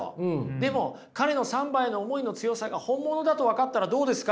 でも彼のサンバへの思いの強さが本物だと分かったらどうですか？